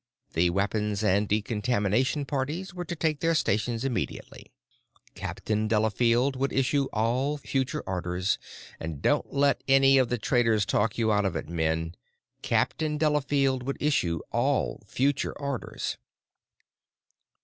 The weapons and decontamination parties were to take their stations immediately. Captain Delafield would issue all future orders and don't let any of the traders talk you out of it, men. Captain Delafield would issue all future orders.